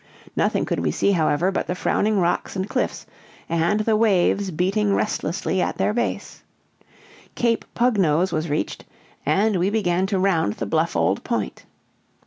Nothing could we see, however, but the frowning rocks and cliffs, and the waves beating restlessly at their base. Cape Pug Nose was reached, and we began to round the bluff old point.